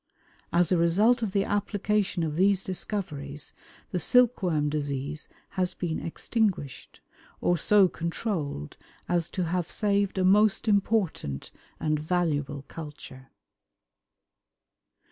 As a result of the application of these discoveries, the silkworm disease has been extinguished, or so controlled as to have saved a most important and valuable culture.